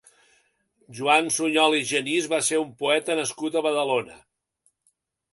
Joan Sunyol i Genís va ser un poeta nascut a Badalona.